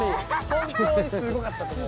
本当にすごかったんでもう。